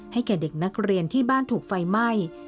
แก่เด็กนักเรียนที่บ้านถูกไฟไหม้